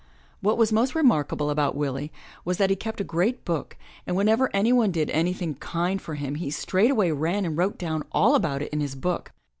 '' What was most remarkable about Willie was that he kept a great book and whenever anyone did anything kind for him he straightway ran and wrote down all about it in his book.